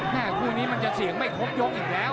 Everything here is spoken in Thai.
แม่คู่นี้มันจะเสี่ยงไม่ครบยกอีกแล้ว